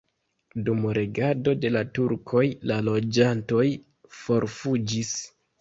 Dum regado de la turkoj la loĝantoj forfuĝis.